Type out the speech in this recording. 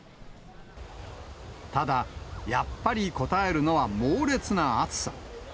ただ、やっぱりこたえるのは猛烈な暑さ。